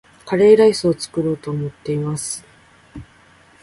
カレーライスを作ろうと思っています